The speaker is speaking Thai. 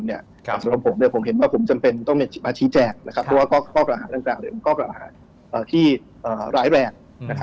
สำหรับผมผมเห็นว่าผมจำเป็นต้องมาชี้แจกเพราะว่ากล้อกระหาด้านกลางและกล้ากระหาที่ร้ายแรก